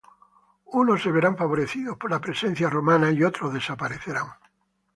Unos se verán favorecidos por la presencia romana y otras desaparecerán.